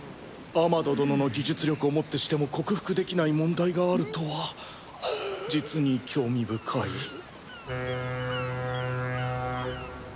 アマド殿の技術力をもってしても克服できない問題があるとは実に興味深い。